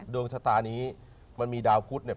ดวงชะตานี้มันมีดาวพุทธเนี่ย